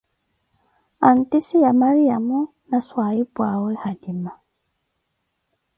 Handice ya Mariamo na swahiphuʼawe halima